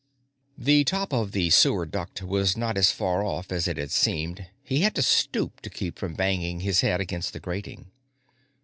The top of the sewer duct was not as far off as it had seemed; he had to stoop to keep from banging his head against the grating.